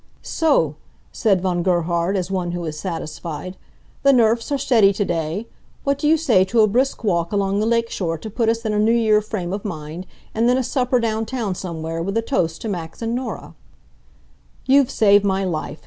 "So," said Von Gerhard, as one who is satisfied. "The nerfs are steady to day. What do you say to a brisk walk along the lake shore to put us in a New Year frame of mind, and then a supper down town somewhere, with a toast to Max and Norah?" "You've saved my life!